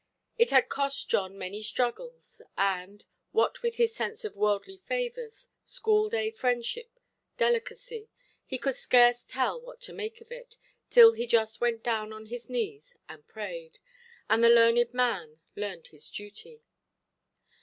It had cost John many struggles; and, what with his sense of worldly favours, schoolday–friendship, delicacy, he could scarce tell what to make of it, till he just went down on his knees and prayed; then the learned man learned his duty.